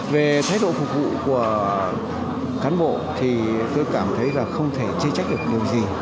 về thái độ phục vụ của cán bộ thì tôi cảm thấy là không thể chi trách được điều gì